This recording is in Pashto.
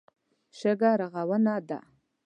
شګه رغونه ده.